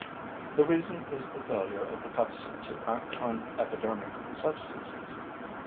The reason is the failure of the pepsin to act on epidermic substances.